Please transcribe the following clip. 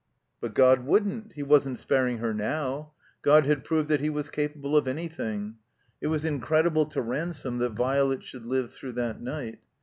But God wouldn't. He wasn't sparing her now. God had proved that he was capable of anjrthing. It was incredible to Ransome that Violet should live through that night.